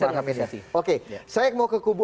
saya mengapresiasi oke saya mau ke kubu